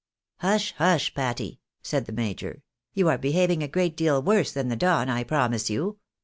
Hush, hush, Patty," said the major, " you are behaving a great deal worse than the Don, I promise you.